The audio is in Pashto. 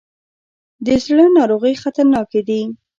د زړه ناروغۍ خطرناکې دي.